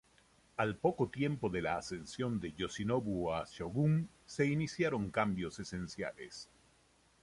Al poco tiempo de la ascensión de Yoshinobu a shōgun, se iniciaron cambios esenciales.